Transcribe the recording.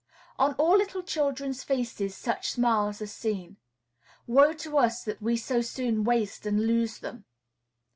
On all little children's faces such smiles are seen. Woe to us that we so soon waste and lose them!